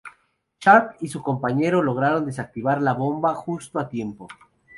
Sharp y su compañero logran desactivar la bomba justo a tiempo.